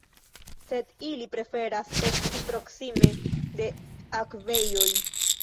Sed ili preferas esti proksime de akvejoj.